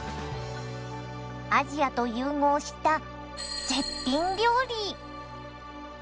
アジアと融合した絶品料理。